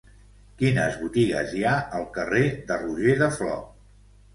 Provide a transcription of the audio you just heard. Quines botigues hi ha al carrer de Roger de Flor?